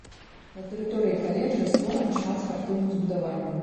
На тэрыторыі каледжа створана шмат спартыўных збудаванняў.